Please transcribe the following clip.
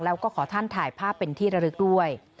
แล้วก็ขอท่านถ่ายภาพเป็นที่ระลึกด้วย